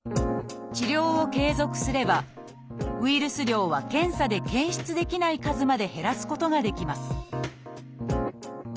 治療を継続すればウイルス量は検査で検出できない数まで減らすことができます